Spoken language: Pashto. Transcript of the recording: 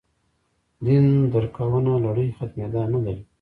دین درکونو لړۍ ختمېدا نه لري.